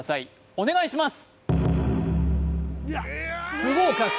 お願いします